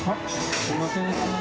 すいません。